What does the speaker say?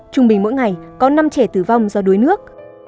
trung bình mỗi ngày có năm trẻ tử vong do đuối nước